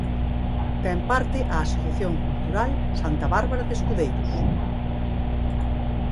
Ten parte a Asociación Cultural santa Bárbara de Escudeiros.